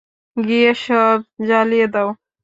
গিয়ে সব জ্বালিয়ে দাউ!